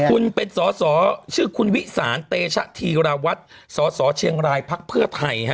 คุณเป็นสอสอชื่อคุณวิสานเตชะธีราวัตรสสเชียงรายพักเพื่อไทยฮะ